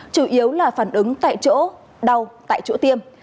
chủ yếu là phản ứng tại chỗ đau tại chỗ tiêm